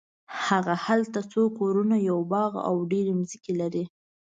هغه هلته څو کورونه یو باغ او ډېرې ځمکې لري.